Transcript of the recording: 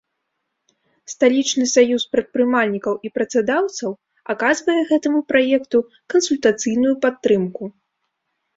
Сталічны саюз прадпрымальнікаў і працадаўцаў аказвае гэтаму праекту кансультацыйную падтрымку.